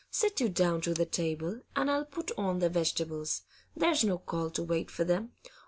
Sit you down to the table, and I'll put on the vegetables; there's no call to wait for them.